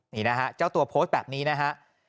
นี่นะฮะเจ้าตัวโพสต์แบบนี้นะฮะ